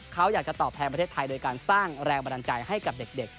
เขาอยากจะตอบแทนประเทศไทยโดยการสร้างแรงบันดาลใจให้กับเด็ก